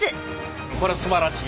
これはすばらしい。